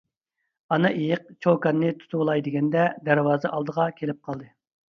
ئانا ئېيىق چوكاننى تۇتۇۋالاي دېگەندە دەرۋازا ئالدىغا كېلىپ قالدى.